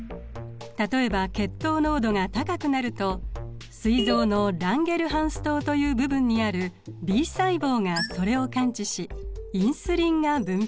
例えば血糖濃度が高くなるとすい臓のランゲルハンス島という部分にあるＢ細胞がそれを感知しインスリンが分泌されます。